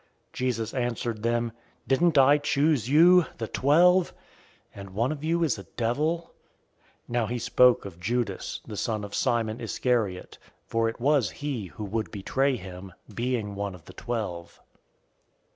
006:070 Jesus answered them, "Didn't I choose you, the twelve, and one of you is a devil?" 006:071 Now he spoke of Judas, the son of Simon Iscariot, for it was he who would betray him, being one of the twelve.